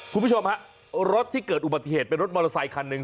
คุณผู้ชมฮะรถที่เกิดอุบัติเหตุเป็นรถมอเตอร์ไซคันหนึ่ง